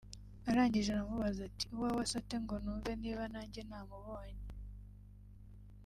Arangije aramubaza ati “Uwawe asa ate ngo numve niba nanjye namubonye